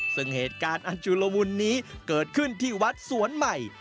ซึ่งเหตุการณ์อันจุลมุนนี้เกิดขึ้นที่วัดสวนใหม่